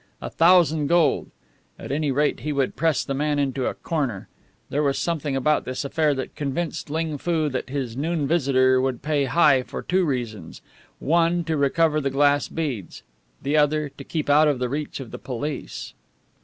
A thousand gold! At any rate, he would press the man into a corner. There was something about this affair that convinced Ling Foo that his noon visitor would pay high for two reasons: one, to recover the glass beads; the other, to keep out of the reach of the police.